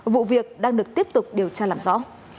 vụ việc đang được tiếp tục điều tra làm rõ